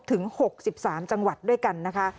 ถึง๖๓จังหวัดด้วยกันนะคะ